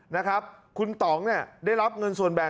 นะครับคุณต่องเนี่ยได้รับเงินส่วนแบ่ง